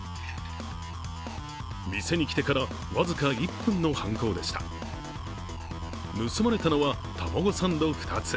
店に来てから僅か１分の犯行でした盗まれたのはタマゴサンド２つ。